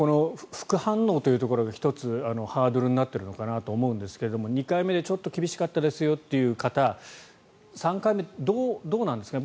副反応というところが１つ、ハードルになっているのかなと思うんですが２回目でちょっと厳しかったですという方３回目、どうなんですか。